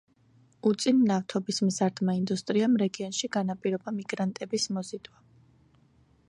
უწინ ნავთობის მზარდმა ინდუსტრიამ რეგიონში განაპირობა მიგრანტების მოზიდვა.